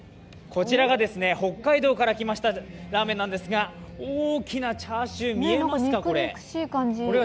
北海道から来ましたラーメンなんですが大きなチャーシュー、見えますか？